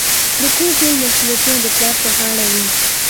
د کور ټول مسوليتونه د پلار په غاړه وي.